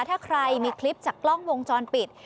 ถ้าใครมีคลิปจากกล้องวงจรปิด